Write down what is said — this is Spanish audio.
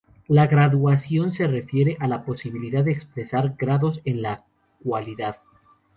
La gradación se refiere a la posibilidad de expresar grados en la cualidad.